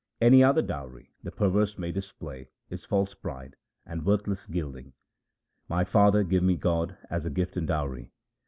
Any other dowry the perverse may display is false pride and worthless gilding. My father, give me God as a gift and dowry.